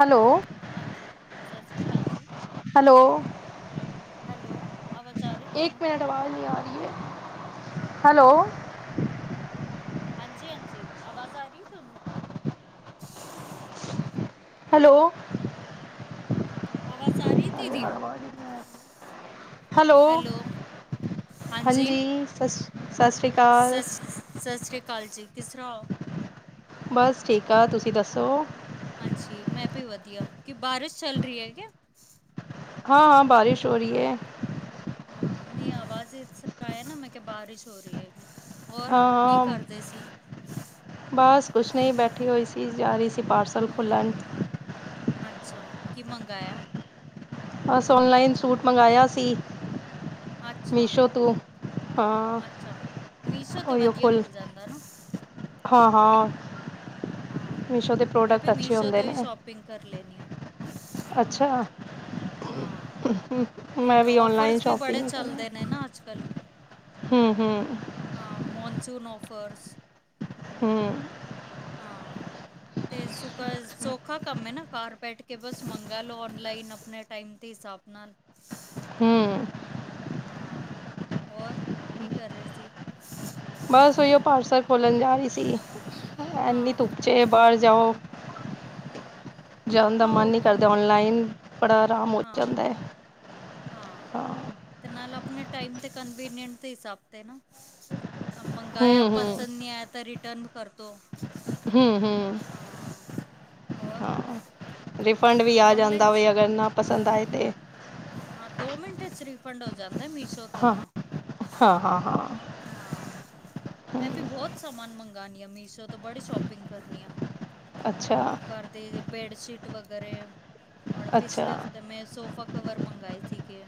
Hello ਹਾਂਜੀ ਸਤਿ ਸ਼੍ਰੀ ਅਕਾਲ ਜੀ ਹੈਲੋ ਹੈਲੋ ਅਵਾਚ ਆ ਰਿ ਇੱਕ ਮਿੰਟ ਆਵਾਜ਼ ਨਹੀਂ ਆ ਰਹੀ ਹੈ ਹੈਲੋ ਹਾਂਜੀ ਹਾਂਜੀ ਆਵਾਜ਼ ਆ ਰਹੀ ਤੁਹਾਨੂੰ ਹੈਲੋ ਆਵਾਜ਼ ਆ ਰਹੀ ਦੀਦੀ ਹਰ ਬਾਅਦ [unintelligible] ਹੈਲੋ, ਹਾਂਜੀ ਸਸੀ ਸਤਿ ਸ੍ਰੀ ਆਕਾਲ ਸ ਸਤਿ ਸ੍ਰੀ ਅਕਾਲ ਜੀ, ਕਿਸ ਤਰ੍ਹਾਂ ਹੋ? ਬਸ ਠੀਕ ਠਾਕ ਤੁਸੀਂ ਦੱਸੋ? ਹਾਂਜੀ ਮੈਂ ਵੀ ਵਧੀਆ, ਕਿ ਬਾਰਿਸ਼ ਚੱਲ ਰਹੀ ਆ ਕਿਆ? ਹਾਂ ਹਾਂ ਬਾਰਿਸ਼ ਹੋ ਰਹੀ ਏ। ਹਾਂ ਨਹੀਂ ਆਵਾਜ਼ ਇਸ ਤਰ੍ਹਾਂ ਆ ਰਹੀ ਨਾ ਮੈਂ ਕਿਹਾ ਬਾਰਿਸ਼ ਹੋ ਰਹੀ ਏ। ਔਰ ਹਾਂ ਕੀ ਹਾਂ ਕਰਦੇ ਸੀ? ਬਸ ਕੁਛ ਨਹੀਂ ਬੈਠੀ ਹੋਈ ਸੀ ਜਾ ਰਹੀ ਸੀ ਪਾਰਸਲ ਹਮ, ਖੁੱਲਣ। ਅੱਛਾ ਕੀ ਮੰਗਾਇਆ? ਬਸ ਔਨਲਾਈਨ ਸੂਟ ਮੰਗਇਆ ਸੀ ਅੱਛਾ ਮੀਸ਼ੋ ਤੋਂ। ਹਾਂ ਅੱਛਾ, ਮੀਸ਼ੋ ਤੇ ਉਹੀਓ ਵਧੀਆ ਕੁਲ ਮਿਲ ਜਾਂਦਾ ਏਨਾ। ਹਾਂ, ਹਾਂ। ਹਾਂ, ਮੀਸ਼ੋ ਦੇ ਮੈਂ ਪ੍ਰੋਡਕਟ ਵੀ ਅੱਛੇ ਮੀਸ਼ੋ ਹੁੰਦੇ ਤੋਂ ਈ ਨੇ ਸ਼ੋਪਿੰਗ ਕਰ ਲੈਨੀ ਆ। ਅੱਛਾ ਅ ਹਾਂ। ਹਮ ਤੇ ਔਫਰਸ ਵੀ ਬੜੇ ਚੱਲਦੇ ਨੇ ਨਾ ਅੱਜ-ਕੱਲ੍ਹ। ਹੂੰ ਹੂੰ। ਹਾਂ ਮੌੋਨਸੂਨ ਔਫਰਸ। ਹੂੰ। ਹਾਂ। ਤੇ ਸੁਖਾ, ਸੌਖਾ ਕੰਮ ਏ ਨਾ, ਘਰ ਬੈਠ ਕੇ ਬਸ ਮੰਗਾ ਲਓ, ਔਨਲਾਈਨ ਆਪਣੇ ਟਾਈਮ ਦੇ ਹਿਸਾਬ ਨਾਲ। ਹੂੰ। ਹਾਂ, ਹੋਰ ਕੀ ਕਰ ਰਹੇ ਸੀ? ਬਸ ਉਹੀਓ ਪਾਰਸਲ ਖੋਲਣ ਜਾ ਰਹੀ ਸੀ, ਐਨੀ ਹਾਂ ਧੁੱਪ ਚੇ ਬਾਹਰ ਜਾਊ। ਜਾਣ ਦਾ ਹਾਂ ਮਨ ਉਹ ਨੀ ਕੰਮ ਕਰਦਾ, ਔਨਲਾਈਨ ਬੜਾ ਆਰਾਮ ਔ ਹਾਂ ਜਾਂਦਾ ਐ। ਹਾਂ ਤੇ ਨਾਲ ਆਪਣੇ ਟਾਈਮ ਤੇ ਕਨਵੀਨੀਂਟ ਦੇ ਹਿਸਾਬ ਤੇ ਨਾ ਮੰਗਾਇਆ ਹੂੰ ਹੂੰ ਪਸੰਦ ਨੀ ਆਇਆ ਤਾਂ ਰਿਟਰਨ ਕਰ ਦਿਉ ਹੂੰ ਹੂੰ ਹਾਂ ਹੋਰ ਹਾਂ। ਰੀਫੰਡ ਵੀ ਆ ਜਾਂਦਾ ਔਨਲਾਈਨ 'ਚ ਆ, ਅਗਰ ਨਾ ਪਸੰਦ ਆਏ ਤੇ। ਹਾਂ ਦੋ ਮਿੰਟਾਂ ਚ ਰੀਫੰਡ ਹੋ ਜਾਂਦਾ ਮੀਸ਼ੋ 'ਤੇ ਹਾਂ, ਤਾਂ ਹਾਂ, ਹਾਂ, ਹਾਂ। ਹਾਂ, ਮੈਂ ਤੇ ਬਹੁਤ ਸਮਾਨ ਮੰਗਾਣੀ ਆ ਮੀਸ਼ੋ ਤੋਂ ਬੜੀ ਸ਼ੋਪਿੰਗ ਕਰਨੀ ਆ। ਅੱਛਾ ਹਾਂ, ਘਰ ਦੇ ਬੈਡਸ਼ੀਟ ਵਗੈਰੇ ਹੁਣ ਅੱਛਾ ਪਿਛਲੇ ਹਫ਼ਤੇ ਮੈਂ ਸੋਫਾ ਕਵਰ ਮੰਗਾਏ ਸੀਗੇ।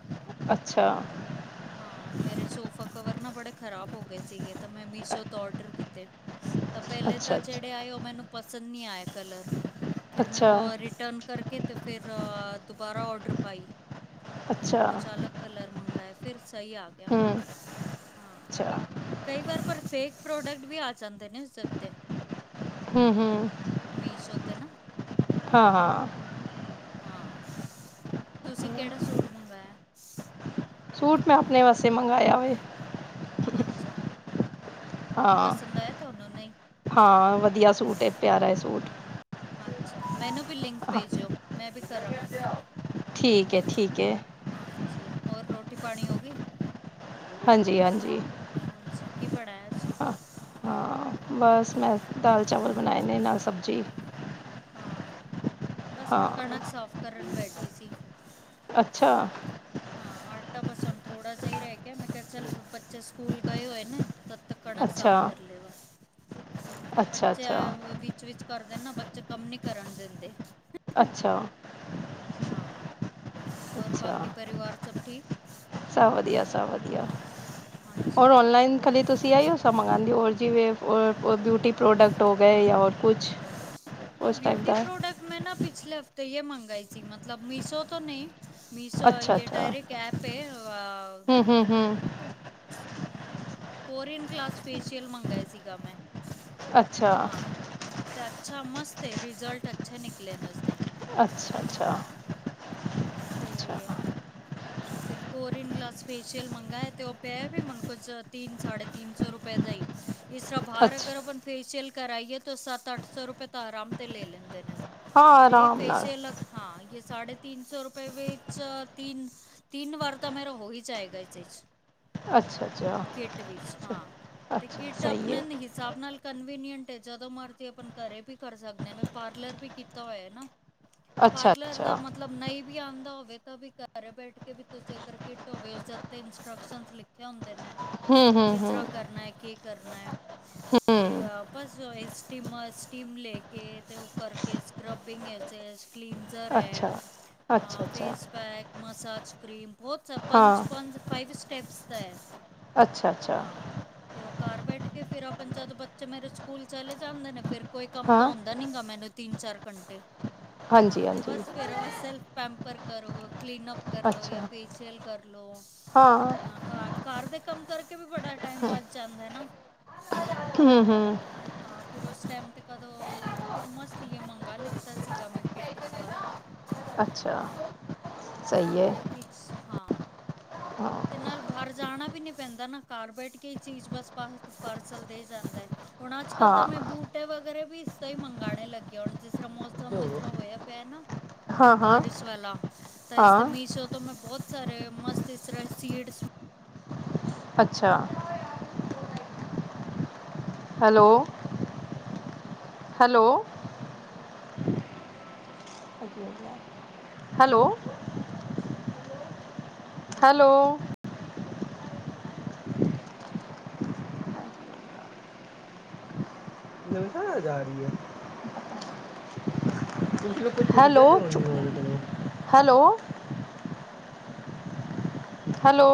ਅੱਛਾ। ਹਾਂ ਮੇਰੇ ਸੋਫਾ ਕਵਰ ਨਾ ਬੜੇ ਖ਼ਰਾਬ ਹੋ ਗਏ ਸੀਗੇ ਤਾਂ ਮੈਂ ਮੀਸ਼ੋ ਤੋਂ ਔਡਰ ਕੀਤੇ। [inaudible] ਤਾਂ ਪਹਿਲੇ ਤਾਂ ਅੱਛਾ ਜਿਹੜੇ ਆਏ ਉਹ ਮੈਨੂੰ ਪਸੰਦ ਨਹੀਂ ਆਏ ਕਲਰ, ਫਿਰ ਮੈਂ ਅੱਛਾ ਉਹ ਰਿਟਰਨ ਕਰਕੇ ਤੇ ਫਿਰ ਦੁਬਾਰਾ ਔਡਰ ਪਾਈ, ਤੇ ਫਿਰ ਅੱਛਾ ਕੁਛ ਅਲੱਗ ਕਲਰ ਮੰਗਾਏ। ਫਿਰ ਸਹੀ ਆ ਗਿਆ, ਹੂੰ ਹਾਂ। ਅੱਛਾ ਕਈ ਵਾਰ ਪਰ ਫੇਕ ਪ੍ਰੋਡਕਟ ਵੀ ਆ ਜਾਂਦੇ ਨੇ ਉਸਦੇ ਉੱਤੇ। ਹੂੰ ਹੂੰ। ਮੀਸੋ ਤੇ ਨਾ। ਹਾਂ, ਹਾਂ। ਹਾਂ, ਤੁਸੀਂ ਕਿਹੜਾ ਸੂਟ ਮੰਗਾਇਆ? ਸੂਟ ਮੈਂ ਆਪਣੇ ਵਾਸਤੇ ਮੰਗਾਇਆ ਵੇ। ਅੱਛਾ। ਹਾਂ, ਪਸੰਦ ਆਇਆ ਤੁਹਾਨੂੰ ਨਹੀਂ ਹਾਂ ਵਧੀਆ ਸੂਟ ਏ ਪਿਆਰਾ ਏ ਸੂਟ। ਅੱਛਾ, ਮੈਨੂੰ ਵੀ ਲਿੰਕ ਹਾਂ ਭੇਜਿਓ, ਮੈਂ ਵੀ ਕਰਾਂਗੀ। ਠੀਕ ਏ, ਠੀਕ ਏ। ਹਾਂਜੀ, ਹੋਰ ਰੋਟੀ ਪਾਣੀ ਹੋ ਗਈ? ਹਾਂਜੀ, ਹਾਂਜੀ। ਹਾਂਜੀ ਕੀ ਪੜਾ ਐ ਅੱਜ ਹਾਂ ਹਾਂ। ਬਸ, ਮੈਂ ਦਾਲ-ਚਾਵਲ ਬਨਾਏ ਨੇ ਨਾਲ ਸਬਜ਼ੀ। ਹਾਂ, ਬਸ ਮੈਂ ਹਾਂ ਕਣਕ ਸਾਫ ਕਰਨ ਬੈਠੀ ਸੀ। ਅੱਛਾ। ਹਾਂ, ਆਟਾ ਬਸ ਹੋਨ ਥੋੜਾ ਜੇਆ ਈ ਰੈ ਗਿਆ, ਮੈਂ ਕੇਯਾ ਚਲ ਬੱਚੇ ਸਕੂਲ ਗਏ ਹੋਏ ਨੇ ਤਾਂ ਕਣਕ ਅੱਛਾ ਸਾਫ ਕਰ ਲੇਵਾ ਹਾਂ, ਫੇਰ ਅੱਛਾ ਬੱਚੇ ਅੱਛਾ ਆਏ ਹੋਏ ਵੀ ਵਿਚ ਕਰਦੇ ਨਾ, ਬੱਚੇ ਕੰਮ ਨੀ ਕਰਨ ਦਿੰਦੇ ਅੱਛਾ। ਹਾਂ, ਹੋਰ ਅੱਛਾ ਬਾਕੀ ਪਰਿਵਾਰ ਸਭ ਠੀਕ? ਸਭ ਵਧੀਆ, ਸਭ ਵਧੀਆ ਔਰ ਹਾਂਜੀ ਔਨਲਾਈਨ ਕਦੀ ਤੁਸੀਂ ਆਏ ਓ ਸਮਾਨ ਮੰਗਾਂਦੇ ਓ ਜੀਵੇ ਬਿਊਟੀ ਪ੍ਰੋਡਕਟ ਹੋ ਗਏ ਯਾਂ ਹੋਰ ਕੁਛ ਹਾਂ ਉਸ ਟਾਈਪ ਬਿਊਟੀ ਦਾ ਪ੍ਰੋਡਕਟ ਮੈਂ ਨਾ ਪਿਛਲੇ ਹਫ਼ਤੇ ਯੇ ਮੰਗਾਏ ਸੀ ਮਤਲਬ ਮੀਸ਼ੋ ਤੋਂ ਨਈਂ - ਮੀਸੋਏ ਅੱਛਾ ਯੇ ਅੱਛਾ ਡਾਇਰੇੈਕ ਐਪ ਏ, ਹੂੰ ਅ ਹੂੰ ਹੂੰ ਕੇੜੇ ਹੁੰ, ਕੋਰੀਅਨ ਗਲਾਸ ਫੇਸ਼ੀਅਲ ਮੰਗਾਏ ਸੀਗਾ ਮੈਂ। ਅੱਛਾ ਹਾਂ, ਹਾਂ ਤੇ ਅੱਛਾ ਮਸਤ ਏ ਰਿਜ਼ਲਟ ਅੱਛੇ ਨਿਕਲੇ ਨੇ ਉਸਦੇ। ਅੱਛਾ ਅੱਛਾ ਹਾਂ, ਅੱਛਾ ਤੇ ਫੇਰ ਕੋਰੀਨ ਗਲਾਸ ਫੇਸ਼ੀਅਲ ਮੰਗਾਏ ਤੇ ਓ ਪੈ ਵੀ ਮੈਨੂੰ ਕੁਝ ਤਿੰਨ ਸਾਢੇ ਤਿੰਨ ਸੌ ਰੁਪਏ ਦਾਈ। ਇਸਰਾ ਭਾਰ ਅੱਛਾ ਅਗਰ ਆਪਾਂ ਫੇਸ਼ੀਅਲ ਕਰਈਏ ਤਾਂ ਸੱਤ ਅੱਠ ਸੌ ਰੁਪਏ ਤੱਕ ਅਰਾਮ ਨਾਲ ਲੈ ਲੈਂਦੇ ਨੇ, ਹਾਂ ਪਰ ਏ ਆਰਾਮ ਨਾਲ ਫੇਸ਼ੀਅਲ ਹਾਂ, ਯੇ ਸਾਢੇ ਤਿੰਨ ਸੌ ਰੁਪਏ ਵਿੱਚ ਤਿੱਨ ਤਿੰਨ ਵਾਰ ਤਾਂ ਮੇਰਾ ਹੋਈ ਜਾਏਗਾ ਇਸ ਚ। ਅੱਛਾ ਅੱਛਾ ਕੇਟ ਵਿੱਚ ਹਾਂ, ਤੇ ਅੱਛਾ ਕੇਟ ਸਹੀ ਹੈ ਅਪਨਾ ਨ ਸਾਬ ਨਾਲ ਕਨਵੀਨੀਂਅਟ ਏ, ਜਦੋਂ ਮਰਦੀ ਆਪਾਂ ਘਰੇ ਵੀ ਕਰ ਸਕਦੇ ਆਂ, ਮੈਂ ਪਾਰਲਰ ਵੀ ਕੀਤਾ ਹੋਇਆ ਨਾ ਅੱਛਾ ਪਾਰਲਰ ਅੱਛਾ ਦਾ ਮਤਲਬ ਨਈਂ ਵੀ ਆਂਦਾ ਹੋਵੇ ਤਾਂ ਵੀ ਘਰ ਬੈਠ ਕੇ ਵੀ ਤੁਸੀਂ ਅਗਰ ਕੇਟ ਹੋਵੇ ਉਸਦੇ ਉਤੇ ਇੰਸਟਰਕਸ਼ਨ ਲਿਖ ਲਿਖੇ ਹੁੰਦੇ ਨੇ। ਹੂੰ ਹੂੰ ਕਿਸ ਹੂੰ ਤਰ੍ਹਾਂ ਕਰਨੈ, ਕੀ ਕਰਨੈ, ਤੇ ਹੂੰ ਬਸ ਇਸਟੀਮਰ ਟੀਮ ਲੈ ਕੇ, ਤੇ ਓ ਕਰਕੇ ਸਕਰੱਬਿੰਗ ਚ ਕਲੀਨ ਜ਼ਰ ਐ, ਅੱਛਾ ਅੱਛਾ ਅੱਛਾ ਫੇਸ ਪੈਕ ਮਸਾਜ ਕਰ੍ਰੀਮ ਬੋਤ ਸ ਹਾਂ ਪੰਜ-ਪੰਜ, ਫਾਈਵ ਸਟੈਪਸ ਦਾ ਐ। ਅੱਛਾ ਅੱਛਾ ਹਾਂ। ਤੇ ਓ ਘਰ ਬੈਠ ਕੇ ਫੇਰ ਆਪਨ ਜਦੋਂ ਬੱਚੇ ਮੇਰੇ ਸਕੂਲ ਚਲੇ ਜਾਂਦੇ ਨੇ ਫੇਰ ਕੋਈ ਕੰਮ ਹਾਂ ਤਾਂ ਹੁੰਦਾ ਦਾ ਨਿਗਾ ਮੈਨੂੰ ਤਿੰਨ-ਚਾਰ ਘੰਟੇ ਹਾਂ, ਹਾਂਜੀ ਤੇ ਹਾਂਜੀ ਬਸ ਫੇਰ ਅਸ ਪੈਂਪਰ ਕਰੋ‍, ਕਲੀਨਅਪ ਕਰ ਲੋ ਅੱਛਾ ਯਾਂ ਫੇਸ਼ਅਲ ਕਰ ਲੋ ਹਾਂ, ਘਰ ਘਰ ਦੇ ਕੰਮ ਕਰਕੇ ਵੀ ਬੜਾ ਟਾਈਮ ਬੱਚ ਜਾਂਦੈ ਨਾ। ਹੁੰ-ਹੁੰ। ਹਾਂ, ਫੇਰ ਓਸ ਟਾਈਮ ਤੇ ਕਦੋਂ ਫੇਰ ਮਸੀਏ ਮੰਗਾ ਲਿੱਤਾ ਸੀਗਾ ਮੈਂ ਕੇਟ ਇਸ ਵਾਰ ਅੱਛਾ ਹਾਂ, ਸਹੀ ਤੇ ਹੈ ਐ ਪਿਕਸ, ਹਾਂ। [inaudible] ਤੇ ਨਾਲ ਬਾਹਰ ਜਾਣਾ ਵੀ ਨੀ ਪੈਂਦਾ ਨਾ ਘਰ ਬੈਠ ਕੇ ਚੀਜ਼ ਬਸ, ਪਾਰਸਲ ਦੇ ਜਾਂਦੈ। ਹੋਨ ਅਜ ਕੱਲ ਹਾਂ ਤਾਂ ਮੈਂ ਬੂਟ ਟੇ ਵਗੈਰਾ ਵੀ ਸਈ ਮੰਗਾਣੇ ਲੱਗੇ ਹੁਣ ਜਿਸ ਤਰ੍ਹਾਂ ਮੌਸਮ ਇਸ ਤਰ੍ਹਾਂ ਹੋਇਆ ਪਿਆ ਨਾ। ਹਾਂ ਹਾਂ ਬਾਰਿਸ਼ ਵਾਲਾ, ਤਾਂ ਹਾਂ ਇਸਦੇ ਮੀਸ਼ੋ ਤੋਂ ਮੈਂ ਬੋਤ ਸਾਰੇ ਮਸਤ ਜਿਸ ਤਰਾਂ ਏ ਸੀਡਸ ਅੱਛਾ। ਹੈਲੋ। ਹੈਲੋ, ਹਾਂਜੀ ਵਦੀਆ। ਹੈਲੋ। ਹੈਲੋ। ਵਾਜ਼ ਜਾ ਰਈ ਐ। ਹੈਲੋ-ਹੈਲੋ। ਹੈਲੋ।